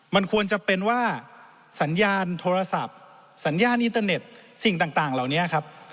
มันควรจะเป็นว่าสัญญาณโทรศัพท์สัญญาณอินเตอร์เน็ตสิ่งต่างเหล่านี้ครับ